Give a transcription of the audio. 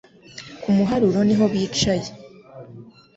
Ku muharuro niho bicaye